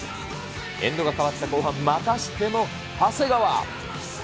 エンドが変わった後半、またしても長谷川。